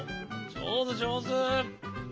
じょうずじょうず！